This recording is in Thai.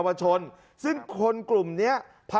การเงินมันมีฝ่ายฮะ